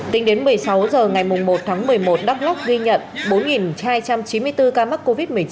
tính đến một mươi sáu h ngày một tháng một mươi một đắk lắc ghi nhận bốn hai trăm chín mươi bốn ca mắc covid một mươi chín